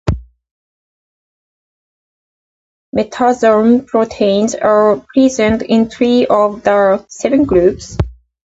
Metazoan proteins are present in three of the seven groups.